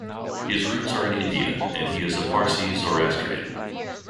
His roots are in India, and he is a Parsi Zoroastrian.